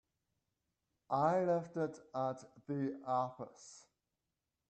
I left it at the office.